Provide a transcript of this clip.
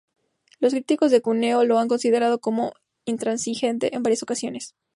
Los críticos de Cúneo lo han considerado como intransigente en varias ocasiones.